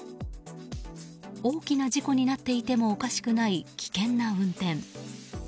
大きな事故になっていてもおかしくない危険な運転。